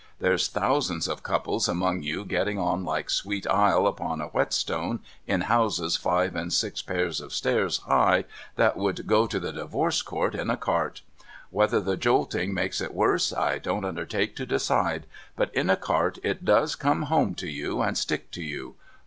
There's thousands of couples among you getting on like sweet ile upon a whetstone in houses five and six pairs of stairs high, that would go to the Divorce Court in a cart. Whether the jolting makes it worse, I don't undertake to decide ; but in a cart it does come home to you, and stick to you.